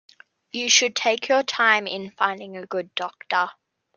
You should take your time in finding a good doctor.